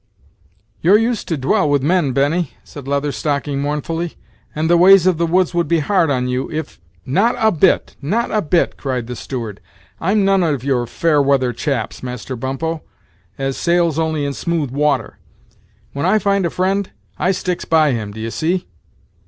"You're used to dwell with men, Benny," said Leather Stocking, mournfully, "and the ways of the woods would be hard on you, if " "Not a bit not a bit," cried the steward; "I'm none of your fair weather chaps, Master Bump ho, as sails only in smooth water. When I find a friend, I sticks by him, d'ye see.